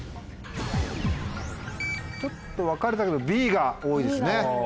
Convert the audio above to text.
ちょっと分かれたけどＢが多いですね。